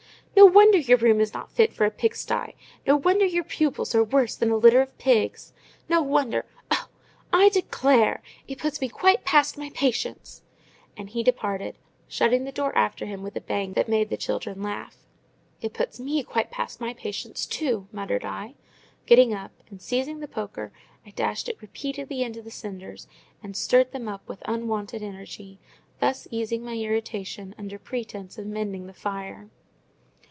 No wonder your room is not fit for a pigsty—no wonder your pupils are worse than a litter of pigs!—no wonder—oh! I declare, it puts me quite past my patience" and he departed, shutting the door after him with a bang that made the children laugh. "It puts me quite past my patience too!" muttered I, getting up; and, seizing the poker, I dashed it repeatedly into the cinders, and stirred them up with unwonted energy; thus easing my irritation under pretence of mending the fire.